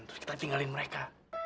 terus kita tinggalin mereka